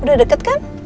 udah deket kan